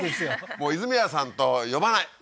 もう泉谷さん呼ばない！